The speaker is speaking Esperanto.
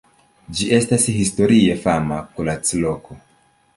Ĝi estas historie fama kuracloko.